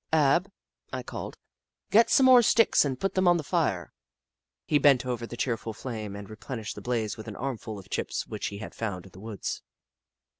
" Ab," 1 called, "get some more sticks and put them on the fire." He bent over the cheerful flame and re plenished the blaze with an armful of chips which he had found in the woods.